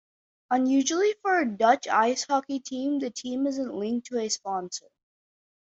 Unusually for a Dutch Ice Hockey team the team isn't linked to a sponsor.